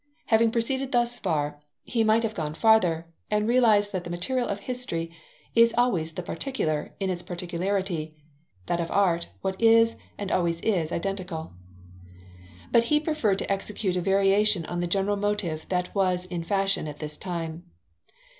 Having proceeded thus far, he might have gone further, and realized that the material of history is always the particular in its particularity, that of art what is and always is identical. But he preferred to execute a variation on the general motive that was in fashion at this time.